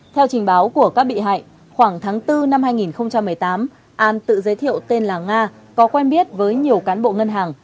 theo trình báo của các bị hại khoảng tháng bốn năm hai nghìn một mươi tám an tự giới thiệu tên là nga có quen biết với nhiều cán bộ ngân hàng